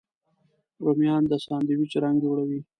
رومیان د ساندویچ رنګ جوړوي